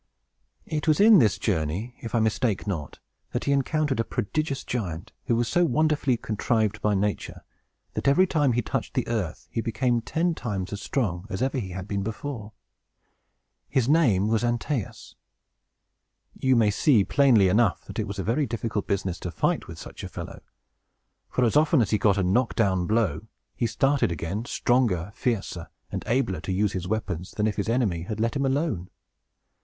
It was in this journey, if I mistake not, that he encountered a prodigious giant, who was so wonderfully contrived by nature, that every time he touched the earth he became ten times as strong as ever he had been before. His name was Antæus. You may see, plainly enough, that it was a very difficult business to fight with such a fellow; for, as often as he got a knock down blow, up he started again, stronger, fiercer, and abler to use his weapons, than if his enemy had let him alone.